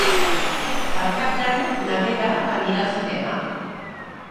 Per Cap d'Any na Vera anirà al cinema.